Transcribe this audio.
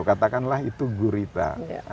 katakanlah itu gurita